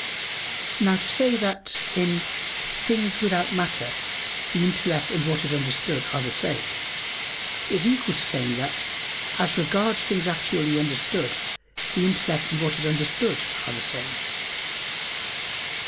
Now to say that in "things without matter the intellect and what is understood are the same," is equal to saying that "as regards things actually understood the intellect and what is understood are the same."